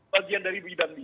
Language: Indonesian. bagian dari bidang di